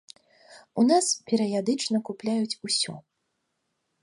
У нас перыядычна купляюць усё.